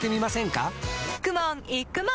かくもんいくもん